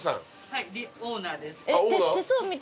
はいオーナーです。